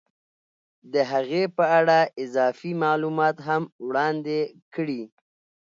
د هغې په اړه اضافي معلومات هم وړاندې کړي